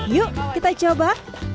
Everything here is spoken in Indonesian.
yuk kita coba